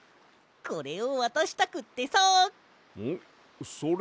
これをわたしたくってさ！